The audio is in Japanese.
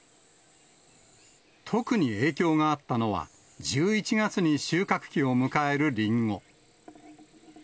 特に影響があったのは、１１月に収穫期を迎えるりんご。